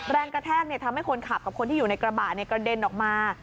แรงกระแทกทำให้คนขับกับคนที่อยู่ในกระบะกระเด็นออกมา